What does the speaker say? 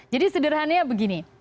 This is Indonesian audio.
jadi sederhananya begini